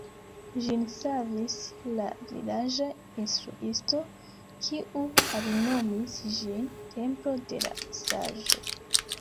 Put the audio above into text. Ĝin savis la vilaĝa instruisto, kiu alinomis ĝin «Templo de la Saĝo».